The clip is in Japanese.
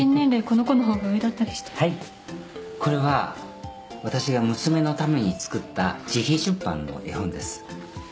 これは私が娘のために作った自費出版の絵本です。